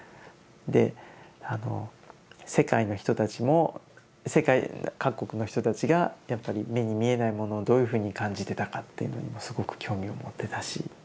で世界の人たちも世界各国の人たちがやっぱり目に見えないものをどういうふうに感じてたかっていうのにもすごく興味を持ってたし。